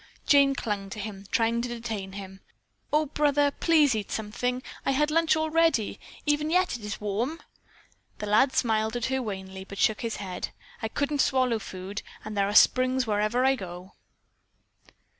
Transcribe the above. Jane clung to him, trying to detain him. "Oh, brother, please eat something. I had lunch all ready. Even yet it is warm." The lad smiled at her wanly, but shook his head. "I couldn't swallow food, and there are springs wherever I go."